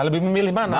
lebih memilih mana